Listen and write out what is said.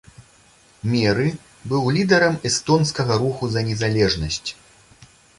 Меры быў лідарам эстонскага руху за незалежнасць.